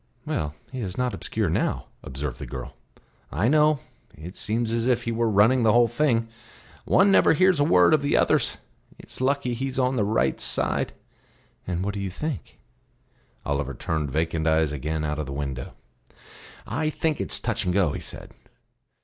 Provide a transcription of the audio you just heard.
"Well, he is not obscure now," observed the girl. "I know; it seems as if he were running the whole thing. One never hears a word of the others. It's lucky he's on the right side." "And what do you think?" Oliver turned vacant eyes again out of the window. "I think it is touch and go," he said.